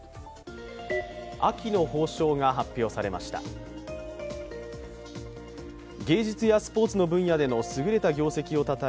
秋の褒章が発表されました。